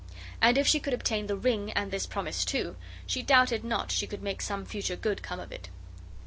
And if she could obtain the ring and this promise, too, she doubted not she should make some future good come of it.